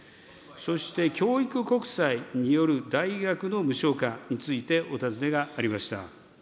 そして、教育国債による大学の無償化について、お尋ねがありました。